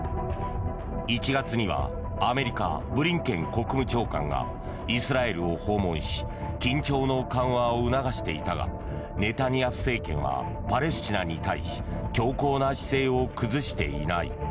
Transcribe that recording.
１月にはアメリカ、ブリンケン国務長官がイスラエルを訪問し緊張の緩和を促していたがネタニヤフ政権はパレスチナに対し強硬な姿勢を崩していない。